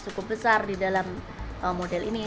cukup besar di dalam model ini